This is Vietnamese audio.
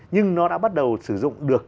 nhưng nó đã bắt đầu sử dụng được